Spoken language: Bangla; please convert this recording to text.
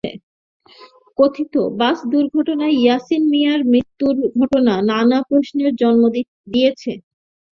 কথিত বাস দুর্ঘটনায় ইয়াছিন মিয়ার মৃত্যুর ঘটনা নানা প্রশ্নের জন্ম দিয়েছে।